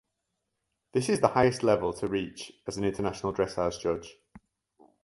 This is the highest level to reach as an international dressage judge.